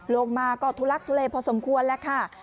ลงมาก็ทุลักทุเลพอสมควรแล้วค่ะ